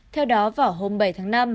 theo đó vào hôm bảy tháng năm